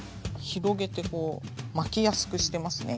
広げてこう巻きやすくしてますね